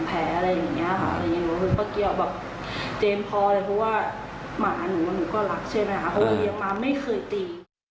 เพราะว่าเยี่ยงมาไม่เคยตี